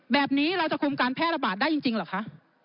แบบนี้เราจะคุมการแพร่ระบาดได้จริงเหรอคะ